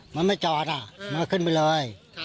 มันไม่จอดมันก็ขึ้นไปเลย